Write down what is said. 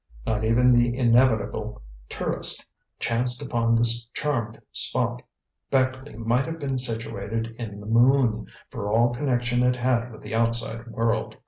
Not even the inevitable tourist chanced upon this charmed spot. Beckleigh might have been situated in the moon, for all connection it had with the outside world.